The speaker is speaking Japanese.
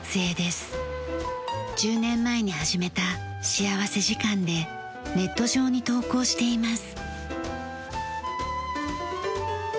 １０年前に始めた幸福時間でネット上に投稿しています。